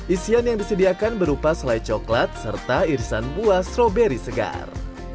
isian yang disediakan berupa selai coklat serta irisan buah stroberi segar